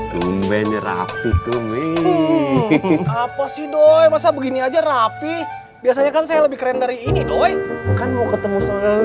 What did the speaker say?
kayak kamu gak rapi aja bu